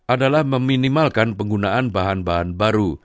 adalah meminimalkan penggunaan bahan bahan baru